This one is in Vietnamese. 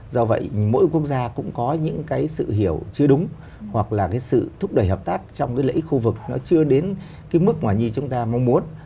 do vậy mỗi quốc gia cũng có những cái sự hiểu chưa đúng hoặc là cái sự thúc đẩy hợp tác trong cái lợi ích khu vực nó chưa đến cái mức mà như chúng ta mong muốn